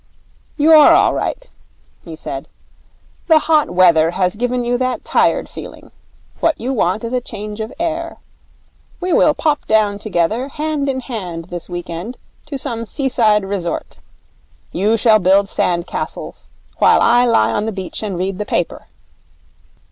'You're all right,' he said. 'The hot weather has given you that tired feeling. What you want is a change of air. We will pop down together hand in hand this week end to some seaside resort. You shall build sand castles, while I lie on the beach and read the paper.